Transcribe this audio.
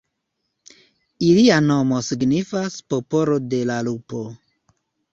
Ilia nomo signifas "popolo de la lupo".